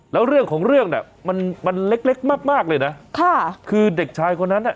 แล้วเรื่องของเรื่องน่ะมันเล็กมากเลยนะคือเด็กชายคนนั้น